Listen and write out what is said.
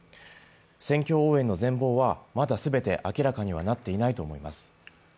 選挙応援の全貌はまだ全て明らかになっていないと思います。